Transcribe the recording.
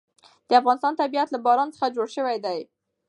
د افغانستان طبیعت له باران څخه جوړ شوی دی.